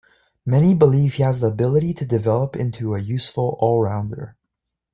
Many believe he has the ability to develop into a useful allrounder.